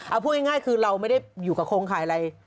เอาพูดง่ายคือเราไม่ได้อยู่กับโครงข่ายอะไร